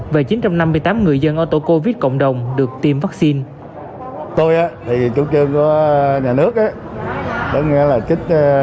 và chín trăm năm mươi tám người dân ở tổ covid cộng đồng được tiêm vaccine